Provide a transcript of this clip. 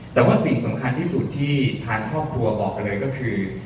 แต่ว่าสิ่งสำคัญที่สุดที่ทางครอบครัวบอกกันเลยก็คือ